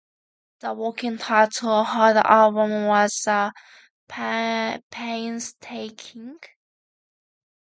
The working title for the album was "The Painstaking".